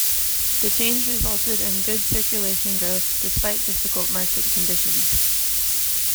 The change resulted in good circulation growth, despite difficult market conditions.